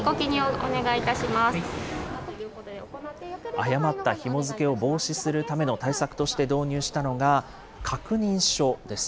誤ったひも付けを防止するための対策として導入したのが、確認書です。